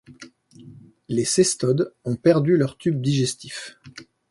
Les cestodes ont perdu leur tube digestif.